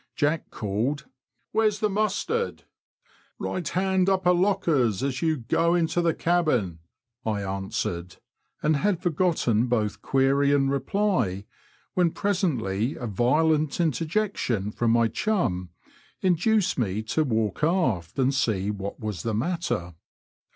Jack called, *' Where's the mustard ?"Right hand upper lockers as you go into the cabin," I answered, and had forgotten both query and reply, when presently a violent interjection from my chum induced me to walk aft and see what was the matter.